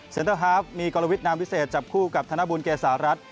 เตอร์ฮาฟมีกรวิทนามวิเศษจับคู่กับธนบุญเกษารัฐ